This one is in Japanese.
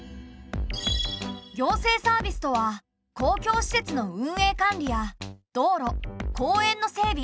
行政サービスとは公共施設の運営管理や道路公園の整備